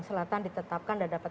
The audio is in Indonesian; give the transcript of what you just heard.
selatan ditetapkan dan dapat